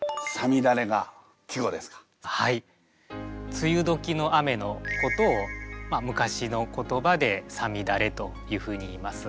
梅雨時の雨のことを昔の言葉で「五月雨」というふうに言います。